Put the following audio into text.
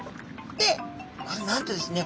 でこれなんとですね